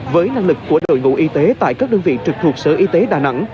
với năng lực của đội ngũ y tế tại các đơn vị trực thuộc sở y tế đà nẵng